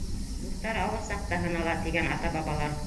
Дуҫтар ауыр саҡта һынала, тигән ата-бабалар.